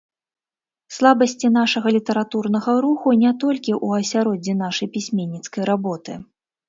Слабасці нашага літаратурнага руху не толькі ў асяроддзі нашай пісьменніцкай работы.